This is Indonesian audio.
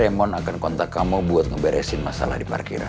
lemon akan kontak kamu buat ngeberesin masalah di parkiran